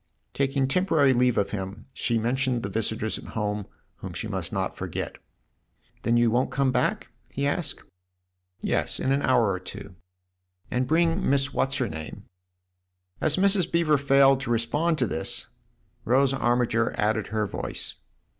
Taking temporary leave of him, she mentioned the visitors at home whom she must not forget. " Then you won't come back ?" he asked. " Yes, in an hour or two." "And bring Miss What's her name?" As Mrs. Beever failed to respond to this, Rose Armiger added her voice.